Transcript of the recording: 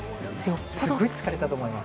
すごい疲れたと思います。